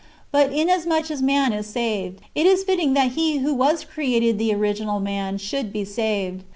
But inasmuch as m.an is saved, it is fitting that he who was created the original man should be saved.